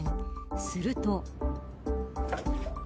すると。